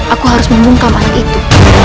aku harus membungkam anak itu